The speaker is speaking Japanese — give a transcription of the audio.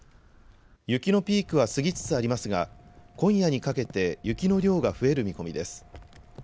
雪のピークは過ぎつつありますが今夜にかけて雪の量が増える見込みです。